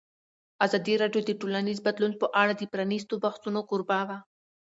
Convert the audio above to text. ازادي راډیو د ټولنیز بدلون په اړه د پرانیستو بحثونو کوربه وه.